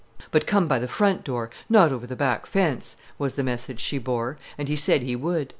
"But come by the front door, not over the back fence," was the message she bore, and he said he would.